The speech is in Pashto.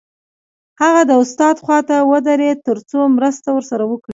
هغه د استاد خواته ودرېد تر څو مرسته ورسره وکړي